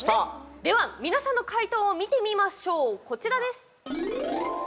では皆さんの解答を見てみましょう、こちらです。